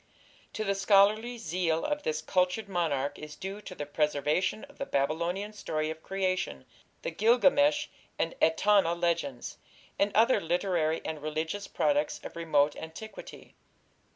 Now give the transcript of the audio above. To the scholarly zeal of this cultured monarch is due the preservation of the Babylonian story of creation, the Gilgamesh and Etana legends, and other literary and religious products of remote antiquity.